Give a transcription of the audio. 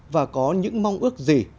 và có những mong ước gì